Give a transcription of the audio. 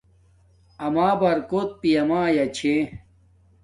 آما برکوت پیامایا چھے